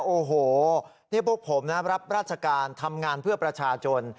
โอ้โหนี่พวกผมนะรับราชการทำงานเพื่อประชาชน